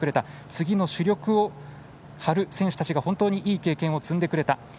次の主力を張る選手たちが本当にいい経験を積んでくれた。